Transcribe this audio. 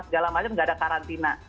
segala macem nggak ada karantina